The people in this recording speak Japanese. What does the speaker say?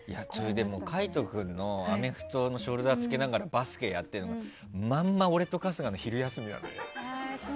海人君のアメフトのショルダーを着けながらバスケをやっていたのはまんま俺と春日の昼休みなのよ。